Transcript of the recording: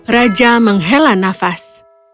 raja menghela nafas